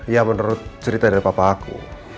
ya menurut cerita dari papa aku